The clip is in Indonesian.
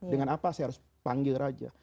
dengan apa saya harus panggil raja